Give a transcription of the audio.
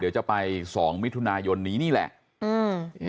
เดี๋ยวจะไป๒มิถุนายนนี้นี่แหละ